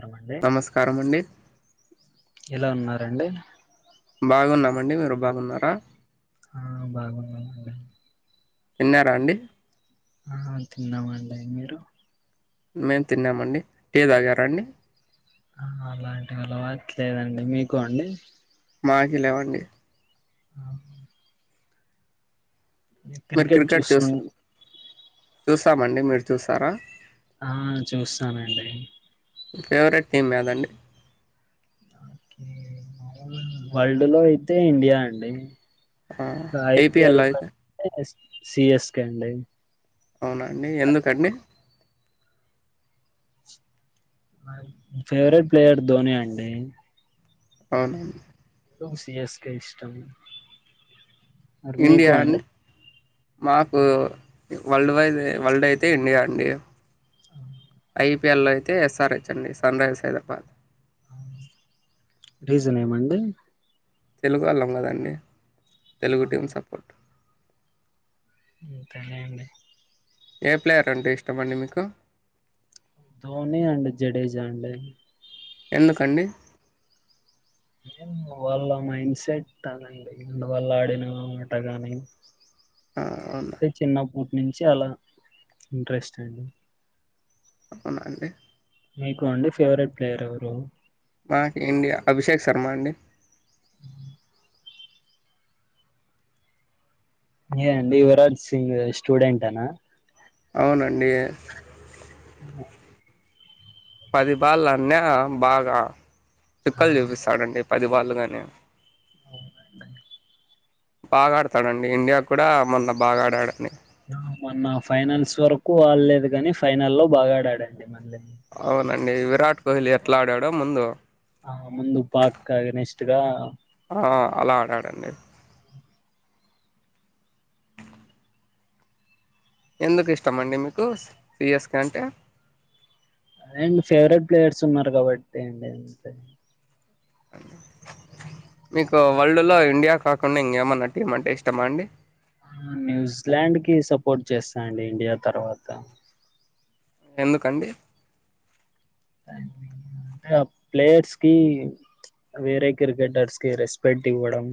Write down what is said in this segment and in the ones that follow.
నమస్కారమండి నమస్కారం అండి ఎలా ఉన్నారండి బాగున్నామండి మీరు బాగున్నారా ఆ బాగున్నాము అండి తిన్నారా అండి ఆ తిన్నామండి మీరు మేం తిన్నామండి టి తాగారా అండి ఆ అలాంటివి అలవాట్లేదండి మీకు అండి మాకి లేవండి ఆ, మీరు క్రికెట్ చూస్తు చూస్ చూస్తామండి మీరు చూస్తారా ఆ చూస్తానండి ఫేవరెట్ టీం ఏదండి వల్డ్ లో అయితే ఇండియా అండి ఆ ఐపిఎల్ ఐపీఎల్లో లొ అయితే ఐతే సిఎస్కే అండి అవునా అండి ఎందుకండి ఫేవరెట్ ప్లేయర్ ధోని అండి అవున సిఎస్కే ఇష్టం మరి మీకు అండి మాకు వల్డ్ వైజ్ వల్డ్ అయితే ఇండియా అండి ఐ ఐఎల్ అయితే ఎస్ఆర్ హెచ్ అండి సన్ రైజ్ హైదరాబాద్ రీజన్ ఏమండి తెలుగోళ్ళం కదండి తెలుగు టీం సపోర్ట్ అంతే లేండి ఏ ప్లేయర్ అంటే ఇష్టమండి మీకు ధోనీ అండి జడేజా అండి ఎందుకండి వాళ్ళ మైండ్ సెట్ కాదండి వాళ్ళ ఆడిన ఆట గానీ ఆ అవున్నా [unintelligible] ఇంట్రెస్ట్ అండి అవునా అండి మీకు అండి ఫేవరెట్ ప్లేయర్ ఎవరు నాక్ ఇండియా అభిషేక్ శర్మ అండి ఏ అండి యువరాజ్ సింగ్ స్టూడెంట్ అన అవునండి హ పది బళ్లు ఆడిన బాగా ఆ చుక్కలు చూపిస్తాడండి పదివాళ్ళు గానే బాగా ఆడతాడండి ఇండియా కూడా మొన్న బాగా ఆడాడని మొన్న ఫైనన్స్ వరకు ఆడలేదు గని ఫైనల్ లో బాగాడాడండి మళ్ళీ అవునండి విరాట్ కోహ్లీ ఎట్లా ఆడాడో ముందు ఆ ముందు పాక్ అగైనెస్ట్ గా ఆ అలా ఆడాడండి ఎందుకు ఇష్టం అండి మీకు స్ సియస్కె అంటే అండ్ ఫేవరెట్ ప్లేయర్స్ ఉన్నారు కాబట్టండి అంతే మీకు వరల్డ్ లో ఇండియా కాకుండా ఇంకేమన్నా టీం అంటే ఇష్టమా అండి న్యూజిలాండ్ కి సపోర్ట్ చేస్తాండి ఇండియా తర్వాత ఎందుకండి హ ప్లేయర్స్ కి వేరే క్రికెటర్స్ కి రెస్పెక్ట్ ఇవ్వడం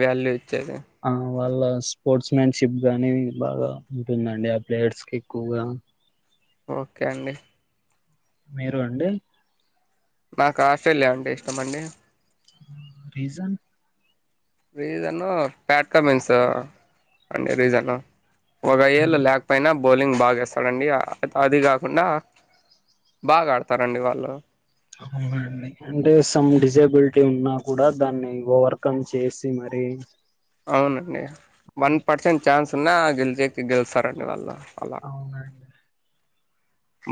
వాల్యూ ఇచ్చేది ఆ వాళ్ళ స్పోర్ట్స్ మ్యాన్షిప్ గాని బాగా ఉంటుందండి ఆ ప్లేయర్స్ కి ఎక్కువగ ఓకే అండి మీరు అండి నాకు ఆస్ట్రేలియా అంటే ఇష్టమండి రీజన్ రీజను ఫ్యాట్కమెన్స్ అండి రీజను ఒక ఏళ్ళు లాకపోయినబ్ బౌలింగ్ బాగేస్తాడండి అది కాకుండా బాగా ఆడతారండి వాళ్ళు ము అవునండి అంటే సమ్ డిసెబిలిటీ ఉన్నా కూడా దాన్ని ఓవర్కమ్ చేసి మరి డి అవునండి వన్ పర్సెంట్ ఛాన్స్ ఉన్నా గెలిచేటి గెలుస్తారండి వాళ్ళు అలా అవునండి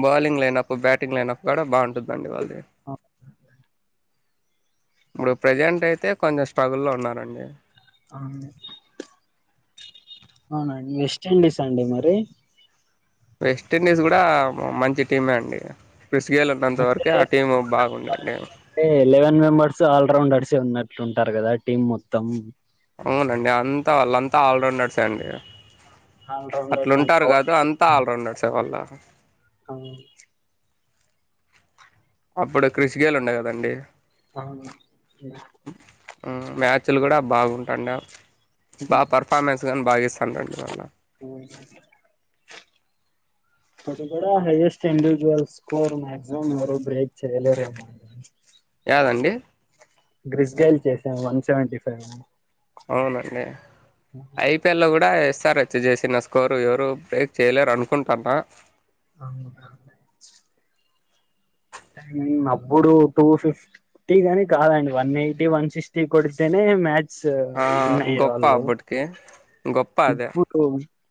బౌలింగ్ లేనప్పుడ్ బ్యాటింగ్ లేనప్పుడు కూడా బాగుంటుందండి వాళ్ అహ్ ఇప్పుడు ప్రెజెంట్ అయితే కొంచెం స్ట్రగ్గల్ లో ఉన్నారండి అవును లే అవునాండి వెస్ట్ ఇండీస్ అండి మరి వెస్ట్ండీస్ కూడా మంచి టీమే అండి సియాలో అంటే ఉన్నంతవరకే ఆ టీం బాగుందండి ర్స్ అల్రౌండర్స్ ఉన్నట్లు ఉంటారు కదా టీమ్ మొత్తం అవునండి అంతా వాళ్ళంతా ఆల్రౌండర్స్ అండి ఆల్రౌండర్స్ అట్లుంటారు కాదు అంతా అండ్ ఆల్రౌండర్స్ సె వాళ్ళు అ అప్పుడు కృషికేళ్లు ఉండేకదండి అవును మ్యాచ్లు కూడా బాగుంటాండి బాగా పర్ఫార్మెన్స్ కానీ బాగా ఇస్తానండి వాళ్ళు మ్ అది కూడా హైయెస్ట్ ఇండివిడ్యుఅల్ స్కోర్ మాక్సిమం ఎవరు బ్రేక్ చేయలేరేమో. అ అండి గ్రిస్ గైల్ చేద్దాము వన్ సేవేంటి ఫైవ్ అని అవునండి ఐపిఎల్ లో కూడా సార్ వచ్చి చేసిన స్కోరు ఎవరు బ్రేక్ చేయలేరు అనుకుంటున్నా అవును అప్పుడు టూ ఫిఫ్టీ గాని కాదండి వన్ ఎయిటీ వన్ సిక్స్టీ కొడితేనే మ్యా సా ఆ నై గొప్ప వాళ్ళు అప్పటికి గొప్ప అదే ఇప్పుడు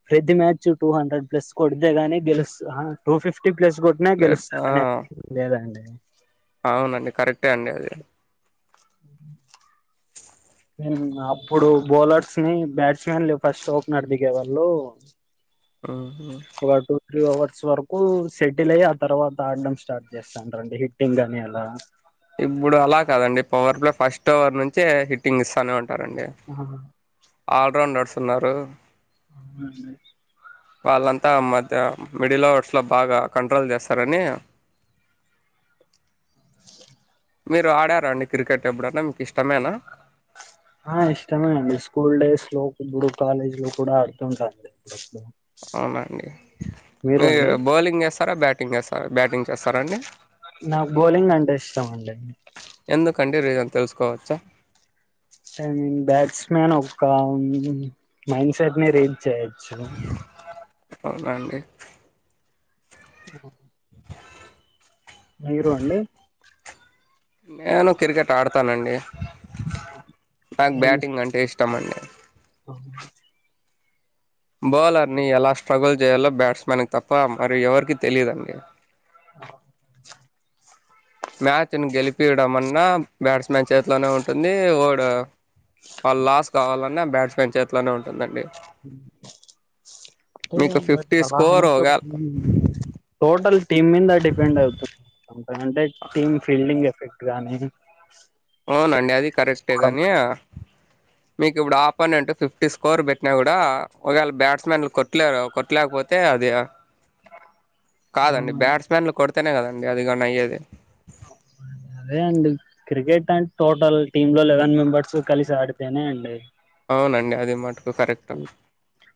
ప్రతి మ్యాచ్ టూ హండ్రెడ్ ప్లస్ కొడితేగాని గెలుస్త ఆ టూ ఫిఫ్టీ ఫిఫ్టీ ప్లేస్ కొట్టిన ప్లేట్ ఆ గెలుస్తా లేదాండి అవునండి కరెక్టే అండి అది. మ్ అప్పుడు బౌలర్స్ ని, బ్యాట్స్ మన్లు ఫస్ట్ ఓపెనర్ దిగేవాళ్ళు. ఆహ త్రీ అవర్స్ వరకు సెటిల్ అయి ఆ తర్వాత ఆడడం స్టార్ట్ చేస్తాను రండి హిట్టింగ్ అని అలా. ఇప్పుడు అలా కాదండి పవర్ ప్లే ఫస్ట్ ఓవర్ నుంచే హిట్టింగ్ ఇస్తానే ఉం రా రండి ఆల్ రౌండర్స్ నడుస్తున్నారు అవునండి వాళ్ళంతా మధ్య మిడిల్ ఓవర్స్లో బాగా కంట్రోల్ చేస్తారని మీరు ఆడారండి క్రికెట్ ఎప్పుడన్నా మీకు ఇష్టమేనా? ఆ ఇష్టమే అండి స్కూల్ డేస్ లో ఇప్పుడు కాలేజ్ లో కూడా ఆడుతుంటానండి. అవునండి మీరు బౌలింగ్ వేస్తారా, బ్యాటింగ్ వేస్తారా? అ బ్యాటింగ్ చేస్తరండి నాకు బౌలింగ్ అంటే ఇష్టం అండి ఎందు కండి రీజన్ తెలుసుకోవచ్చా? ఐ మీన్ బ్యాట్స్ మన్ ఒక మైండ్ సెట్ ని రీడ్ చేయొచ్చు. అవునాండి అవునా మీరు అండి? నేను క్రికెట్ ఆడతానండి. నాకు ఏమి బ్యాటింగ్ అంటే ఇష్టం అండి. ఇష్టం? బౌలర్ ని ఎలా స్ట్రగుల్ చేయాలో బ్యాట్స్మన్ కి తప్ప మరి ఎవరికి తెలిదండి. అవునా మ్యాచ్ ని గెలిపియడం అన్నా బ్యాట్స్ మన్ చేతిలోనే ఉంటుంది. ఓడు వాళ్ళు లాస్ కావాలన్నా బ్యాట్స్మన్ చేతిలోనే ఉంటుందండి. మీకు ఫిఫ్టీ స్కోర్ ఒగా [unintelligible] టోటల్ టీమ్ మీద డిపెండ్ అవుతు అంటే టీమ్ ఫీల్డింగ్ ఎఫెక్ట్ గానీ అవునండి అది కరెక్టే స్కోరం గాని మీకు ఇప్పుడు ఆపన్ అంట ఫిఫ్టీ స్కోర్ పెట్టినా కూడా ఒకవేళ బ్యాట్స్మన్ కొట్టలేరు. కొట్టలేకపోతే అది కాదండి అవునండి బ్యాట్స్మెన్లు కోడి తేనే కదండి అది కానీ అయ్యేది. అమ్మే అదే అండి క్రికెట్ అంటే టోటల్ టీమ్ లో లెవెన్ మెంబెర్స్ కలిసి ఆడితేనే అండి. అవునండి అది మటుకు కరెక్ట్.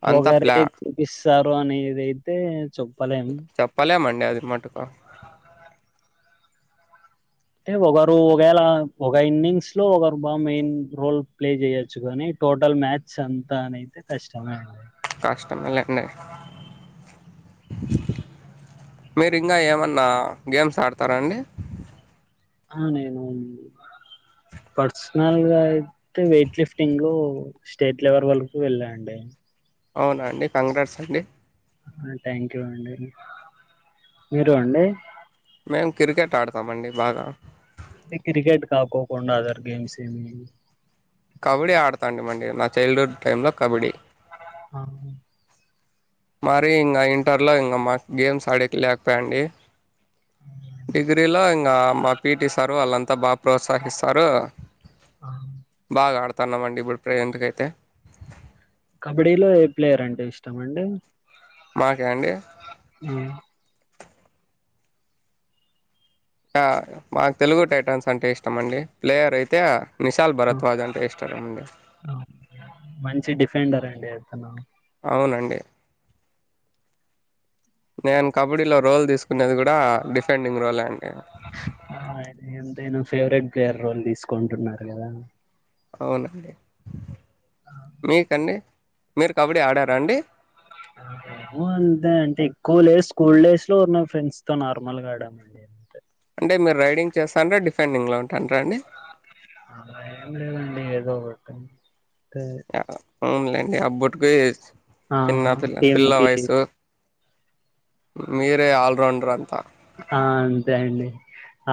అంతా ప్లా ఒకరే ఇస్తారు అనేది ఐతే చెప్పలేం. ఆ అంటే ఒకరు ఒకవేళ ఒక ఇన్నింగ్స్ లో ఒకరు బాగా మెయిన్ రోల్ ప్లే చేయొచ్చు కానీ. టోటల్ మ్యాచ్ అంతా అనైతే కష్టమే ఉ కష్టంలేండి మీరు ఇంకా ఏమన్నా గేమ్స్ ఆడతారాండి ఆ నేను అండి పర్సనల్ గా అయితే వెయిట్ లిఫ్టింగ్ స్టేట్ లెవెల్ వరకు వెళ్ళాండి అవునా అండి కంగ్రాట్స్ అండి. థాంకు యూ అండి మీరు అండి. మేము క్రికెట్ ఆడుతామండి బాగా ఈ క్రికెట్ కాకోకుండా అదర్ గేమ్స్ ఏమి కబడ్డీ ఆడతాండి మండి నా చైల్డ్ హుడ్ టైంలో కబడ్డీ ఆ మరి ఇంగ ఇంటర్లో ఇంగ మాకు గేమ్స్ ఆడేకి లేకపాయండి డిగ్రీలో ఇంగ మా పీటీ సారు వాళ్ళంతా బా ప్రోత్సహిస్తారు ఆ. బాగా ఆడుతున్నామండి ఇప్పుడు ప్రెజెంట్ కి అయితే కబడ్డీలో ఏ ప్లేయర్ అంటే ఇష్టం అండి మాకా అండి అ మాకు తెలుగు టైటన్స్ అంటే ఇష్టం అండి ప్లేయర్ అయితే నిశాల్ ఆ, భరత్ వాజ్ అంటే ఇష్టం అండి ఆ. మంచి డిఫెండర్ అండి అతను అవునండి నేను కబడ్డీలో రోల్ తీసుకునేది కూడా డిఫెండింగ్ రోల్ అం అ ఎంతైనా ఫేవరెట్ ప్లేయర్ రోల్ తీసుకుంటున్నారు కదా అవునండి మీకండి మీరు కబడ్డీ ఆడారా అండి మేము అంతే అంటే ఎక్కువ లే స్కూల్ డేస్ లో ఉన ఫ్రెండ్స్ తో నార్మల్ గా ఆడమండి అంటే మీర రైడింగ్ చేస్తన్రా డిఫెండింగ్లో ఉంటాండ్రా అండి అలా ఎమ్ లేదు అండి ఎదో ఒకటి తే అవునులేండి అబ్బుటికి ఆ చిన్న పిల్ల పిల్ల టీంకి వయసు మీరే అల్ రౌండర్ అంతా ఆ అంతే అండి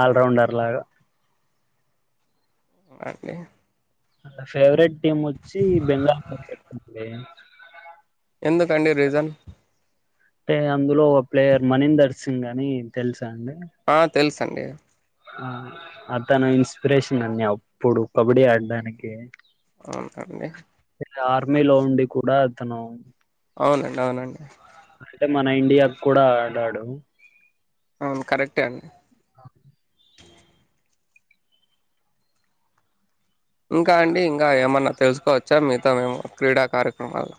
అల్ రౌండర్ లాగా మాకి నా ఫేవరెట్ టీమ్ వచ్చి బెంగాల్ వారియర్స్ అండి ఎందుకు అండి రీసన్ అంటే అందులో ఒక ప్లేయర్ మనీందర్ సింగ్ అని తెలుసా అండి అండి అతను ఇన్స్పిరేషన్ అన్ని అప్పుడు కబడ్డీ ఆడడానికి అవునండి ఆర్మీలో ఉండి కూడా అతను అవునండి అవునండి అంటే మన ఇండియాకు కూడా ఆడాడు అవును కరెక్టే అండి ఇంకా అండి ఇంకా ఏమన్నా తెలుసుకోవచ్చా మీతో మేము క్రీడా కార్యక్రమాలు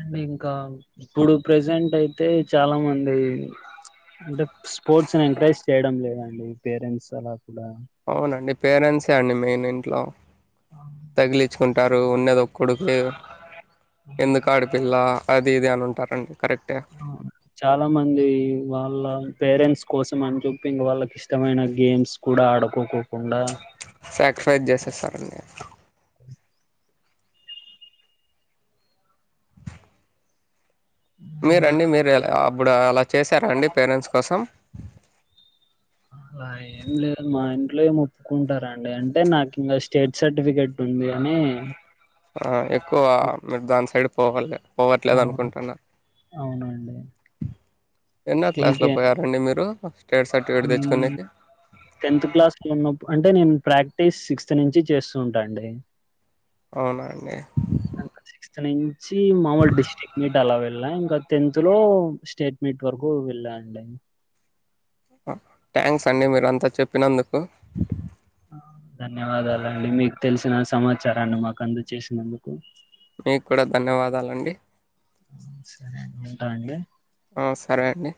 అండి ఇంకా ఇప్పుడు ప్రెజెంట్ అయితే చాలా మంది అంటే స్పోర్ట్స్ ని ఎంకరేజ్ చేయడం లేదండి పేరెంట్స్ అలా కూడా అవునండి పేరెంట్సే అండి మెయిన్ ఇంట్లో తగిలించుకుంటారు ఉన్నది ఒక కొడుకే ఎందుకు ఆడిపిల్ల అది ఇది అని అంటారండి చాలా మంది వాళ్ళ పేరెంట్స్ కోసం అని చెూప్పి ఇంక వాళ్ళకి ఇష్టమైన గేమ్స్ కూడా ఆడుకోకు స్కారిఫైస్ చేసేస్తారండి మీరండి మీర ఎలా అప్పుడు అలా చేసారాండి పేరెంట్స్ కోసం అలా ఏం లేదు మా ఇంట్లో ఏం ఒప్పుకుంటారండి అంటే నాకు ఇంకా స్టేట్ సర్టిఫికెట్ ఉంది అని ఆ ఎక్కువ మీరు దాని సైడ్ పోవాలి పోవట్లేదు అవును అనుకుంటున్నా అవునండి ఎన్న క్లాసులో పోయారండి మీరు స్టేట్ సర్టిఫికేట్ ఉమ్ తెచ్చుకునేకి టెన్త్ క్లాస్ లో ఉన్నపుడు అంటే నేను ప్రాక్టీస్ సిక్స్త్ నుంచి చేస్తుంటి అండి అవునా అండి స్ నుంచి మామూల్ డిస్ట్రిక్ మీద అలా వెళ్ళా ఇంకా టెన్త్ లో స్టేట్ మీట్ వరకు వెళ్ళా అండి థ్యాంక్స్ అండి మీరు అంతా చెప్పినందుకు ధన్యవాదాలండి మీకు తెలిసిన సమాచారాన్ని మాకు అందుచేసినందుకు మీకు కూడా ధన్యవాదాలండి సరే అండి ఉంటా అండి ఆ సరే అండి